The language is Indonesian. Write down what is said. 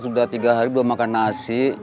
sudah tiga hari belum makan nasi